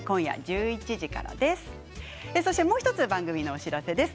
もう１つ番組のお知らせです。